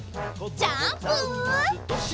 ジャンプ！